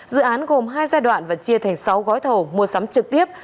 dự án gồm hai giai đoạn và chia thành sáu gói thầu mua sắm trực tiếp